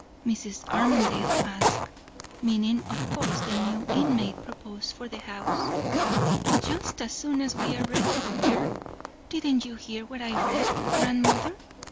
Mrs. Armadale asked, meaning of course the new inmate proposed for the house. "Just as soon as we are ready for her; didn't you hear what I read, grandmother?